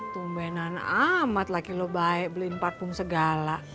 tumbenan amat laki lo baik beliin parfum segala